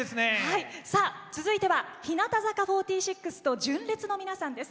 続いては日向坂４６と純烈の皆さんです。